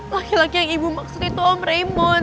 laki laki yang ibu maksud itu om remote